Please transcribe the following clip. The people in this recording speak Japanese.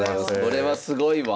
これはすごいわ。